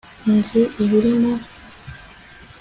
Nzi ibiri mu